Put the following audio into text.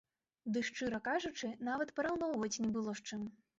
Дый, шчыра кажучы, нават параўноўваць не было з чым.